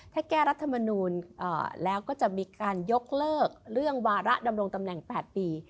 ถ้าแก้รัฐมนูลแล้วก็จะมีการยกเลิกเรื่องวาระดำรงตำแหน่ง๘ปี